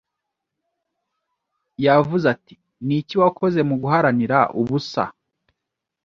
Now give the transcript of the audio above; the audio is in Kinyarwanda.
Yavuze ati Ni iki wakoze mu guharanira ubusa